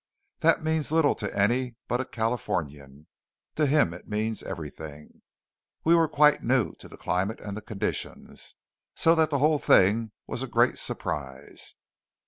That means little to any but a Californian. To him it means everything. We were quite new to the climate and the conditions, so that the whole thing was a great surprise.